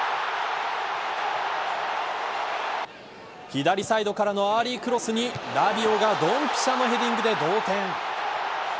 左サイドからのアーリークロスにラビオがどんぴしゃのヘディングで同点。